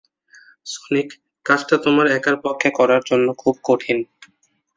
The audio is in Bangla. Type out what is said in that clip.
সনিক, কাজটা তোমার একার পক্ষে করার জন্য খুব কঠিন।